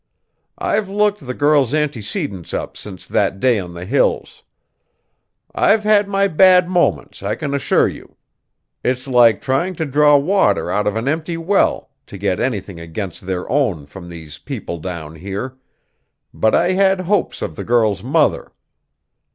I've looked the girl's antecedents up since that day on the Hills. I've had my bad moments, I can assure you. It's like trying to draw water out of an empty well to get anything against their own from these people down here; but I had hopes of the girl's mother.